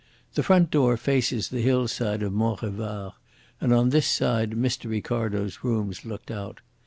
The front door faces the hillside of Mont Revard, and on this side Mr. Ricardo's rooms looked out.